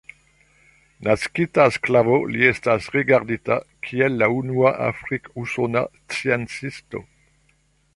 Naskita sklavo, li estas rigardita kiel la unua afrik-usona sciencisto.